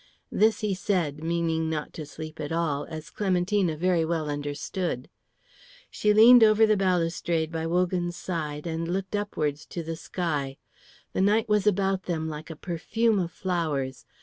This he said, meaning not to sleep at all, as Clementina very well understood. She leaned over the balustrade by Wogan's side and looked upwards to the sky. The night was about them like a perfume of flowers.